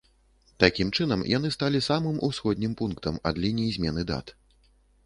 Такім чынам, яны сталі самым ўсходнім пунктам ад лініі змены дат.